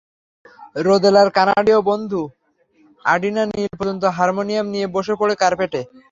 রোদেলার কানাডীয় বন্ধু আডিনা নীল পর্যন্ত হারমোনিয়াম নিয়ে বসে পড়ে কার্পেটে।